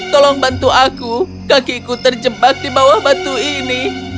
tolong bantu aku kakiku terjebak di bawah batu ini